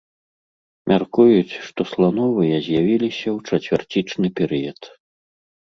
Мяркуюць, што слановыя з'явіліся ў чацвярцічны перыяд.